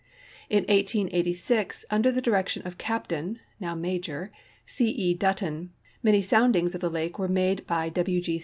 In 1886, under the direction of Captain (now Major) C. E. Dutton, many soundings of the lake were made by W.